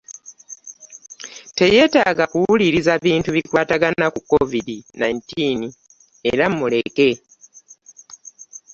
Teyeetaaga kuwuliriza bintu bikwatagana ku covid nineteen era muleke.